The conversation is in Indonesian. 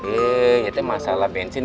eh itu masalah bensin